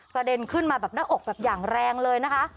เด็นขึ้นมาแบบหน้าอกแบบอย่างแรงเลยนะคะ